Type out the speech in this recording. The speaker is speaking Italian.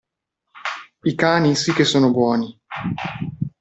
I cani sì che sono buoni!